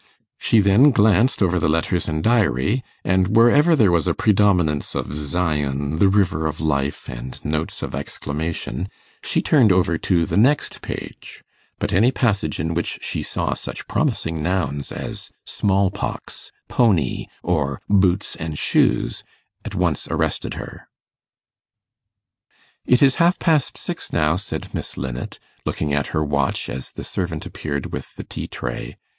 She then glanced over the letters and diary, and wherever there was a predominance of Zion, the River of Life, and notes of exclamation, she turned over to the next page; but any passage in which she saw such promising nouns as 'small pox', 'pony', or 'boots and shoes', at once arrested her. 'It is half past six now,' said Miss Linnet, looking at her watch as the servant appeared with the tea tray.